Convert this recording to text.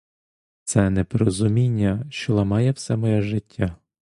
Це непорозуміння, що ламає все моє життя.